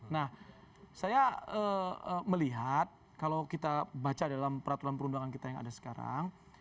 nah saya melihat kalau kita baca dalam peraturan perundangan kita yang ada sekarang